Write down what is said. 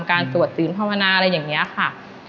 การตรวจตื่นภาวนาอะไรอย่างนี้ค่ะ